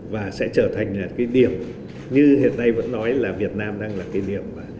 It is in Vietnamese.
và sẽ trở thành cái điểm như hiện nay vẫn nói là việt nam đang là cái điểm